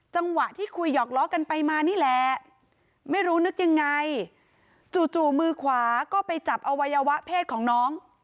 จังหวะที่คุยหยอกล้อกันไปมานี่แหละไม่รู้นึกยังไงจู่มือขวาก็ไปจับอวัยวะเพศของน้อง